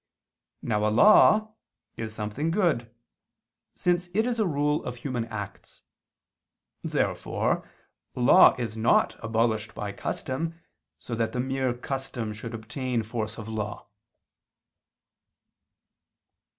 Now a law is something good; since it is a rule of human acts. Therefore law is not abolished by custom, so that the mere custom should obtain force of law.